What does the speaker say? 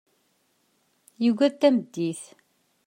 Yuggad tameddit.